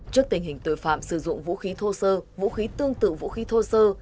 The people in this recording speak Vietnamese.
trước tình hình tội phạm sử dụng vũ khí thô sơ vũ khí tương tự vũ khí thô sơ